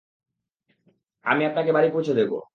আমি আপনাকে বাড়ি পৌঁছে দেবো।